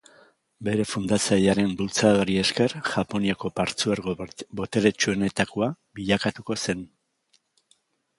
Bere fundatzailearen bultzadari esker Japoniako partzuergo boteretsuenetakoa bilakatuko zen.